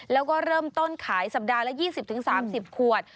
แล้วก็เริ่มต้นขายสัปดาห์ละ๒๐๓๐ขวด